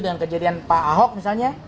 dan kejadian pak ahok misalnya